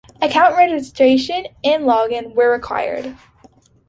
Account registration and login were required.